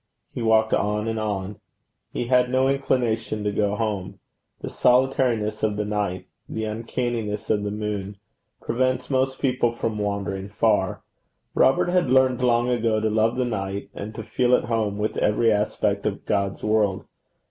He walked on and on. He had no inclination to go home. The solitariness of the night, the uncanniness of the moon, prevents most people from wandering far: Robert had learned long ago to love the night, and to feel at home with every aspect of God's world.